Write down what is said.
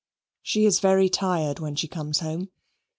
She is very tired when she comes home.